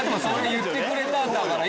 言ってくれたんだから。